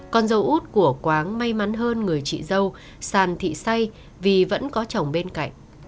con dâu út của quán may mắn hơn người chị dâu sàn thị say vì vẫn có chồng bên cạnh